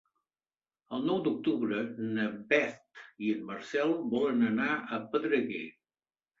El nou d'octubre na Beth i en Marcel volen anar a Pedreguer.